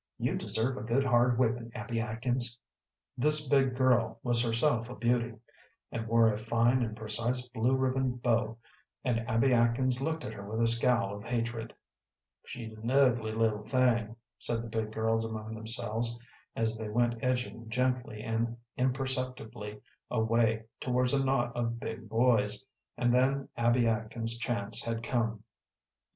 You deserve a good, hard whipping, Abby Atkins." This big girl was herself a beauty and wore a fine and precise blue ribbon bow, and Abby Atkins looked at her with a scowl of hatred. "She's an ugly little thing," said the big girls among themselves as they went edging gently and imperceptibly away towards a knot of big boys, and then Abby Atkins's chance had come.